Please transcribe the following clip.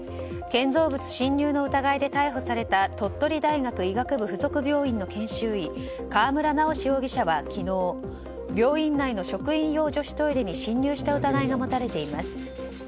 建造物侵入の疑いで逮捕された鳥取大学医学部附属病院の研修医川村直容疑者は昨日病院内の職員用女子トイレに侵入した疑いが持たれています。